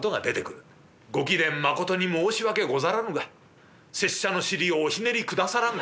「ご貴殿まことに申し訳ござらぬが拙者の尻をおひねり下さらんか？」。